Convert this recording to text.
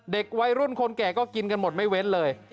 เด็กวัยรุ่นคนแก่ก็กินกันหมดไม่เว้นเลย